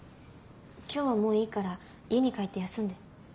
今日はもういいから家に帰って休んで。